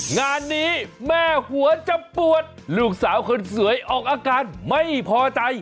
งานนี้แม่หัวจะปวดลูกสาวคนสวยออกอาการไม่พอใจ